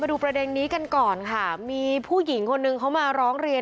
ดูประเด็นนี้กันก่อนค่ะมีผู้หญิงคนนึงเขามาร้องเรียน